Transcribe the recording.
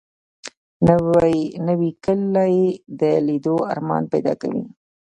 نوې کلی د لیدو ارمان پیدا کوي